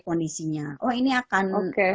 kondisinya oh ini akan